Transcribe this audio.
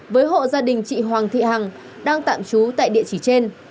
với hộ gia đình chị hoàng thị hằng đang tạm trú tại địa chỉ trên